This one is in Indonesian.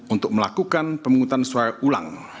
untuk melakukan pemungutan suara ulang